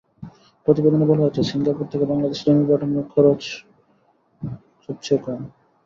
প্রতিবেদনে বলা হয়েছে, সিঙ্গাপুর থেকে বাংলাদেশে রেমিট্যান্স পাঠানোর খরচ সবচেয়ে কম।